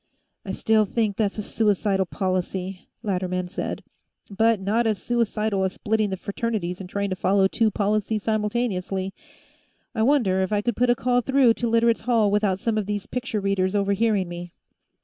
"I still think that's a suicidal policy," Latterman said. "But not as suicidal as splitting the Fraternities and trying to follow two policies simultaneously. I wonder if I could put a call through to Literates' Hall without some of these picture readers overhearing me."